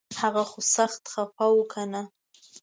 هغه خو سخت خفه و کنه